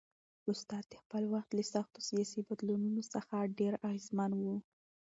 استاد د خپل وخت له سختو سیاسي بدلونونو څخه ډېر اغېزمن و.